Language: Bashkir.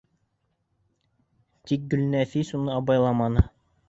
Тик Гөлнәфис уны абайламаны.